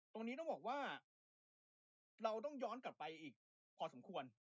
ตรงนี้ต้องบอกว่าเราต้องย้อนกลับไปอีกเยอะพอสมควร